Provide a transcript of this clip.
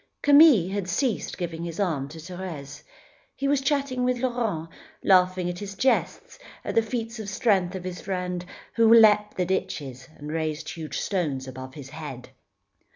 Camille had ceased giving his arm to Thérèse. He was chatting with Laurent, laughing at the jests, at the feats of strength of his friend, who leapt the ditches and raised huge stones above his head.